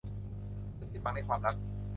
ฉันสิ้นหวังในความรัก